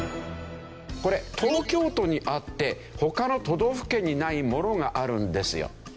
これ東京都にあって他の都道府県にないものがあるんですよ。